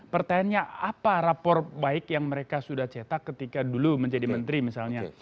pertanyaannya apa rapor baik yang mereka sudah cetak ketika dulu menjadi menteri misalnya